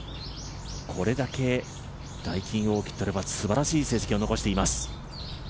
これだけダイキンオーキッドではすばらしい成績を残しています。